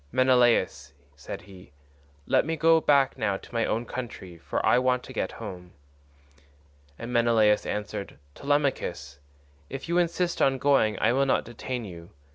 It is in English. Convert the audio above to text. "Menelaus," said he, "let me go back now to my own country, for I want to get home." And Menelaus answered, "Telemachus, if you insist on going I will not detain you.